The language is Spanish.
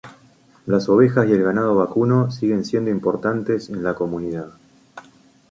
Las ovejas y el ganado vacuno siguen siendo importantes en la comunidad.